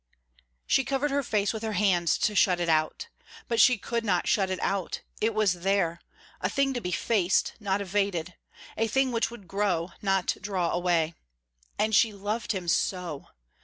She covered her face with her hands to shut it out. But she could not shut it out; it was there a thing to be faced, not evaded a thing which would grow, not draw away. And she loved him so!